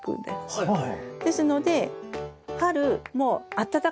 はいはい。